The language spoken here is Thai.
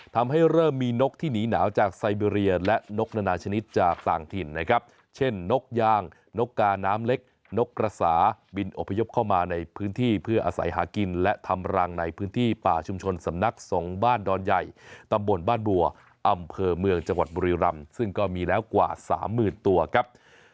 ทำให้เริ่มมีนกที่หนีหนาวจากไซเบรียและนกนานาชนิดจากต่างถิ่นนะครับเช่นนกย่างนกกาน้ำเล็กนกกระสาบินอพยพเข้ามาในพื้นที่เพื่ออาศัยหากินและทำรังในพื้นที่ป่าชุมชนสำนักสงฆ์บ้านดอนใหญ่ตำบลบ้านบัวอำเภอเมืองจังหวัดบุรีรำซึ่งก็มีแล้วกว่าสามหมื่นตัวครับ